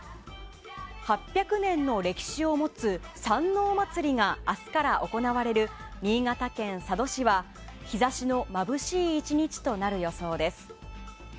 ８００年の歴史を持つ山王祭が明日から行われる新潟県佐渡市は日差しのまぶしい１日となる予想です。